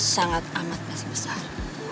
sangat amat masih besar